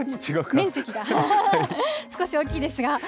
面積が少し大きいですが。